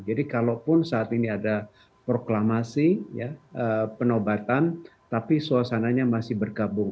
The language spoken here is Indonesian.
jadi kalaupun saat ini ada proklamasi penobatan tapi suasananya masih berkabung